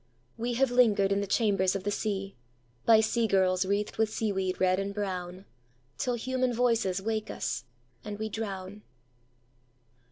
We have lingered in the chambers of the seaBy sea girls wreathed with seaweed red and brownTill human voices wake us, and we drown.